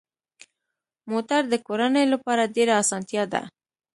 موټر د کورنۍ لپاره ډېره اسانتیا ده.